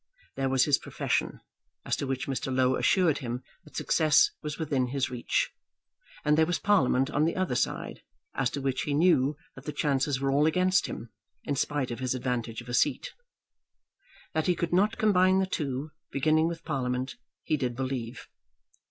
There was his profession, as to which Mr. Low assured him that success was within his reach; and there was Parliament on the other side, as to which he knew that the chances were all against him, in spite of his advantage of a seat. That he could not combine the two, beginning with Parliament, he did believe.